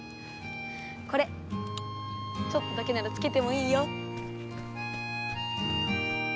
これちょっとだけならつけてもいいよ。